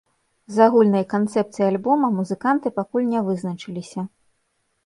З агульнай канцэпцыяй альбома музыканты пакуль не вызначыліся.